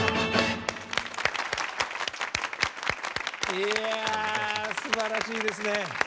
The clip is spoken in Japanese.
いやすばらしいですね。